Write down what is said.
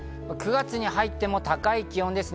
９月に入っても高い気温です。